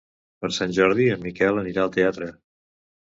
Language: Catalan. Per Sant Jordi en Miquel anirà al teatre.